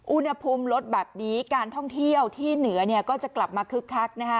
อุณหภูมิลดแบบนี้การท่องเที่ยวที่เหนือเนี่ยก็จะกลับมาคึกคักนะคะ